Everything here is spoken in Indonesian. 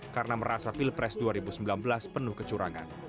karena merasa pilpres dua ribu sembilan belas penuh kecurangan